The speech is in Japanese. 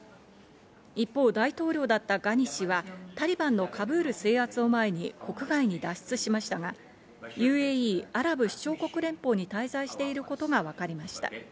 一方、大統領だったガニ氏はタリバンのカブール制圧を前に国外に脱出しましたが、ＵＡＥ＝アラブ首長国連邦に滞在していることがわかりました。